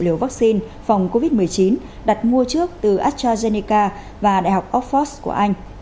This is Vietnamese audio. liều vaccine phòng covid một mươi chín đặt mua trước từ astrazeneca và đại học oxford của anh